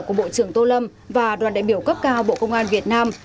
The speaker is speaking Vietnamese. của bộ trưởng tô lâm và đoàn đại biểu cấp cao bộ công an việt nam